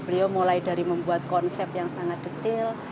beliau mulai dari membuat konsep yang sangat detail